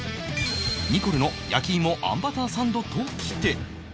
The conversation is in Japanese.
ニコルの焼き芋あんバターサンドときて